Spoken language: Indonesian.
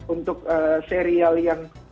untuk serial yang